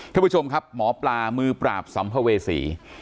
ท่านผู้ชมครับหมอปลามือปราบสัมภเวษี